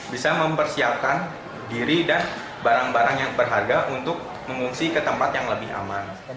bisa mempersiapkan diri dan barang barang yang berharga untuk mengungsi ke tempat yang lebih aman